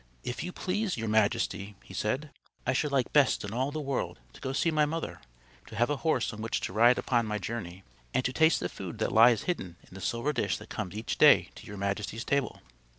"If you please, your majesty," he said, "I should like best in all the world to go to see my mother; to have a horse on which to ride upon my journey; and to taste the food that lies hidden in the silver dish that comes each day to your majesty's table."